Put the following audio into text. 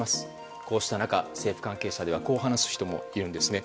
こうした中、政府関係者にはこう話す人もいるんですね。